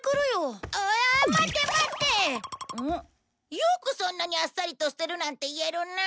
よくそんなにあっさりと捨てるなんて言えるな！